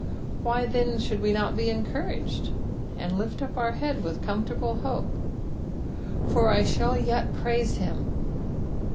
Why, then, should we not be encouraged, and lift up our bead with comfortable hope? " Fifr I *Aoll yet praiie him."